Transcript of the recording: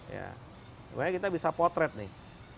sebenarnya kita bisa potret nih